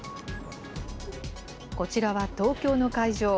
こちらは東京の会場。